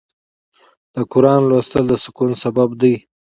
د قرآن لوستل د سکون سبب دی.